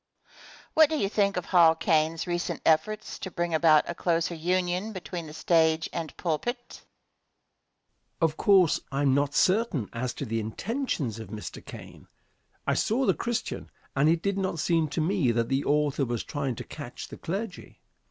What do you think of Hall Caine's recent efforts to bring about a closer union between the stage and pulpit? Answer. Of course, I am not certain as to the intentions of Mr. Caine. I saw "The Christian," and it did not seem to me that the author was trying to catch the clergy.